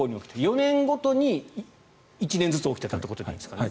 ４年ごとに１年ずつ起きていたということでいいですかね。